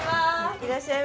いらっしゃいませ。